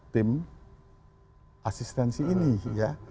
tim asistensi ini ya